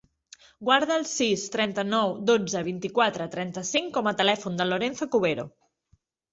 Guarda el sis, trenta-nou, dotze, vint-i-quatre, trenta-cinc com a telèfon del Lorenzo Cubero.